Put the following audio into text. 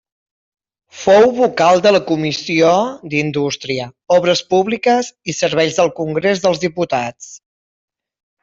Fou vocal de la Comissió d'Indústria, Obres Publiques i Serveis del Congrés dels Diputats.